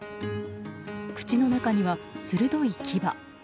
口の中には鋭いキバ。